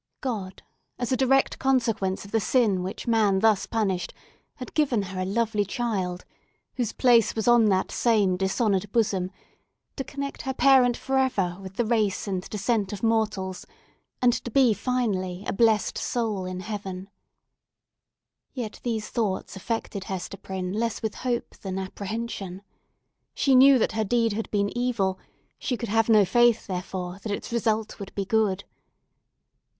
God, as a direct consequence of the sin which man thus punished, had given her a lovely child, whose place was on that same dishonoured bosom, to connect her parent for ever with the race and descent of mortals, and to be finally a blessed soul in heaven! Yet these thoughts affected Hester Prynne less with hope than apprehension. She knew that her deed had been evil; she could have no faith, therefore, that its result would be good.